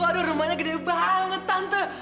waduh rumahnya gede banget tante